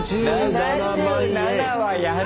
７７はやる⁉